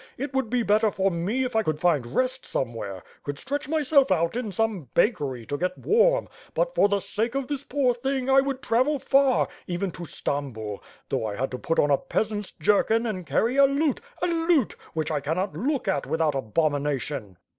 It would be better for me if I could find rest somewhere, could stretch •myself out in some bakery, to get warm; but, for the sake of this poor thing, I would travel far, even to Stambul, though I had to put on a peasants jerkin and carry a lute; a lute, which I cannot look at without abomination."